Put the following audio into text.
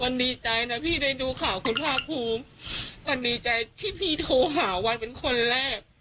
มันดีใจนะพี่ได้ดูข่าวคุณภาคภูมิวันดีใจที่พี่โทรหาวันเป็นคนแรก